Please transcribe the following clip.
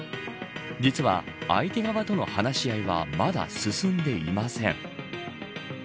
実は、相手側との話し合いはまだ進んでいません。